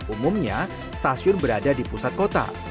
umumnya stasiun berada di pusat kota